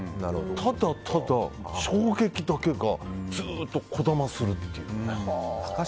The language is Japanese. ただただ、衝撃だけがずっとこだまするっていうか。